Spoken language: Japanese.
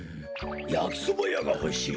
やきそばやがほしいな。